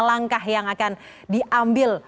langkah yang akan diambil